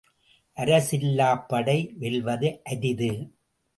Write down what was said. அரசு இல்லாப் படை வெல்வது அரிது.